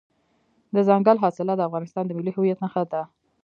دځنګل حاصلات د افغانستان د ملي هویت نښه ده.